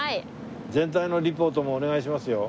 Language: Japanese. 全体のリポートもお願いしますよ。